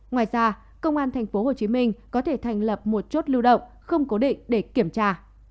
ngoài ra công an tp hcm có thể thành lập một chốt lưu động không cố định để kiểm tra